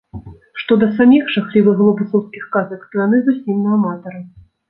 Што да саміх жахлівых глобусаўскіх казак, то яны зусім на аматара.